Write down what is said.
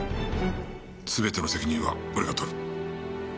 全ての責任は俺が取る。